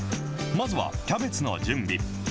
まずはキャベツの準備。